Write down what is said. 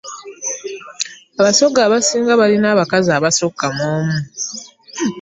Abasoga abasinga balina abakazi abasukka mu omu.